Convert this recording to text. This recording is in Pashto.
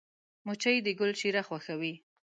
مچمچۍ د ګل شیره خوښوي